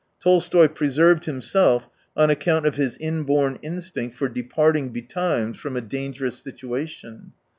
Tolstoy preserved himself on account of his inborn instinct for departing betimes from a dangerous situation.